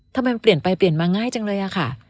ทำไมมันเปลี่ยนไปเปลี่ยนมาง่ายจังเลยอะค่ะ